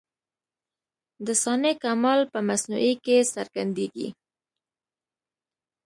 د صانع کمال په مصنوعي کي څرګندېږي.